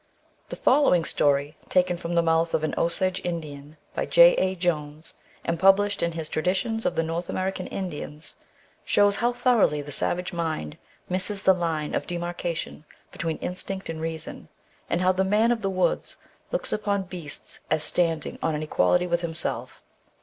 The following story taken from the mouth of an Osage Indian hy J. A. Jones, and published in his Traditions of the North American Indians, shows how thoroughly the savage mind misses the line of demarca tion between instinct and reason, and how the man of the woods looks upon beasts as standing on an equality with himself.